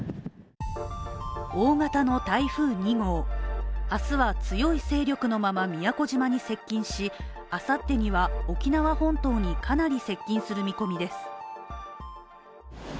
大型の台風２号、明日は強い勢力のまま宮古島に接近しあさってには、沖縄本島にかなり接近する見込みです。